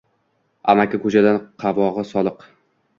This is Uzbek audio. Amaki ko‘chadan qovog‘i soliq